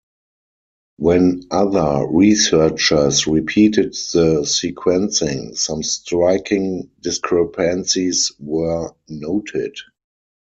When other researchers repeated the sequencing, some striking discrepancies were noted.